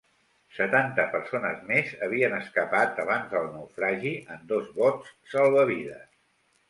Setanta persones més havien escapat abans del naufragi en dos bots salvavides.